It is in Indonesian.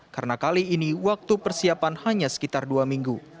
karena kali ini waktu persiapan hanya sekitar dua minggu